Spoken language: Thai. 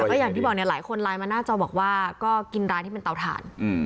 ก็อย่างที่บอกเนี่ยหลายคนไลน์มาหน้าจอบอกว่าก็กินร้านที่เป็นเตาถ่าน